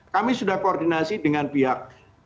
kami sudah koordinasi dengan pihak